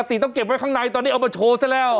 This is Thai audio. ติต้องเก็บไว้ข้างในตอนนี้เอามาโชว์ซะแล้ว